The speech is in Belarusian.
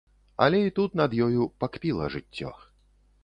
Але і тут над ёю пакпіла жыццё.